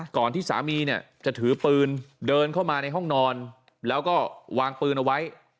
ที่สามีเนี่ยจะถือปืนเดินเข้ามาในห้องนอนแล้วก็วางปืนเอาไว้